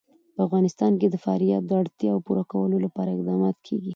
په افغانستان کې د فاریاب د اړتیاوو پوره کولو لپاره اقدامات کېږي.